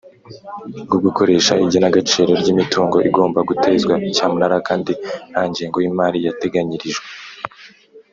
Bwo gukoresha igenagaciro ry imitungo igomba gutezwa cyamunara kandi nta ngengo y imari yateganyirijwe